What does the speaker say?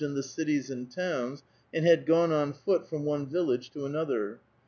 11 the cities and towns, and had gone on foot from one village \x> another.